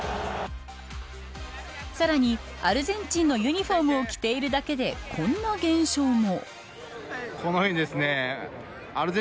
さらに、アルゼンチンのユニホームを着ているだけでこんな現象も。